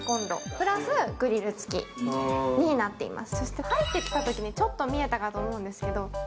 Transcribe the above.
プラス、グリルつきになっています。